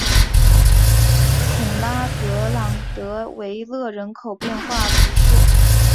孔拉格朗德维勒人口变化图示